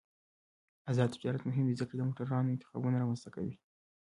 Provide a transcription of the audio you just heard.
آزاد تجارت مهم دی ځکه چې د موټرو انتخابونه رامنځته کوي.